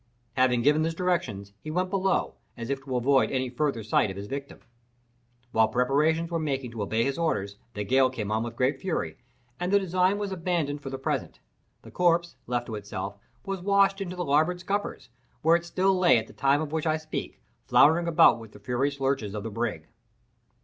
Having given these directions, he went below, as if to avoid any further sight of his victim. While preparations were making to obey his orders, the gale came on with great fury, and the design was abandoned for the present. The corpse, left to itself, was washed into the larboard scuppers, where it still lay at the time of which I speak, floundering about with the furious lurches of the brig.